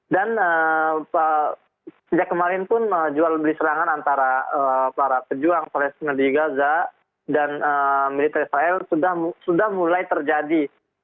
dan sejak kemarin pun jual beli serangan antara para pejuang oleh tengah diga za dan militer israel sudah mulai terjadi